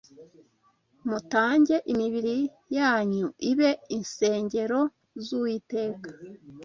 mutange imibiri yanyuibe insrngero z’uwiteka